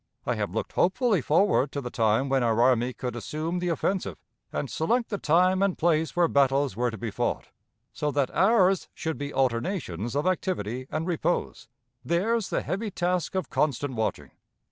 I have looked hopefully forward to the time when our army could assume the offensive, and select the time and place where battles were to be fought, so that ours should be alternations of activity and repose, theirs the heavy task of constant watching.